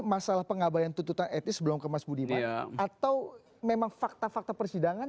masalah pengabaian tuntutan etis belum kemas budiman atau memang fakta fakta persidangan